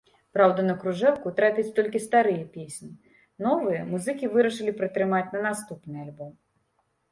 Праўда, на кружэлку трапяць толькі старыя песні, новыя музыкі вырашылі прытрымаць на наступны альбом.